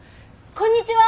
こんにちは！